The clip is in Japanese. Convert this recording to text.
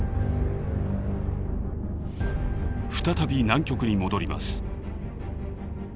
再び南極に戻ります。